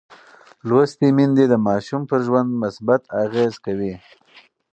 لوستې میندې د ماشوم پر ژوند مثبت اغېز کوي.